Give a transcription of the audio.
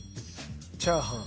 チャーハン。